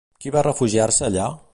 Qui va refugiar-se allà?